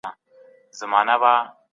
که اخلاقي معیار کښته سی نو څېړنه خرابیږي.